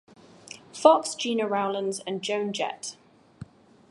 Fox, Gena Rowlands and Joan Jett.